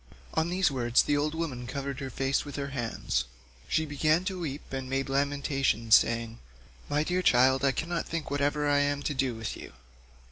On these words the old woman covered her face with her hands; she began to weep and made lamentation saying, "My dear child, I cannot think whatever I am to do with you.